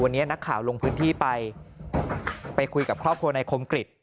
วันนี้นักข่าวลงพื้นที่ไปไปคุยกับครอบครัวนายคมกริจ